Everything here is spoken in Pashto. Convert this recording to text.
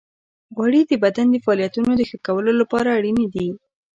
غوړې د بدن د فعالیتونو د ښه کولو لپاره اړینې دي.